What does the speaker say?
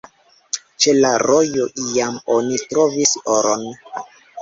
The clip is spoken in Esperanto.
Ĉe la rojo iam oni trovis oron.